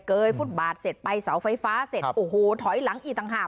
ยฟุตบาทเสร็จไปเสาไฟฟ้าเสร็จโอ้โหถอยหลังอีกต่างหาก